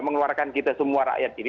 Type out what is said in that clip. mengeluarkan kita semua rakyat ini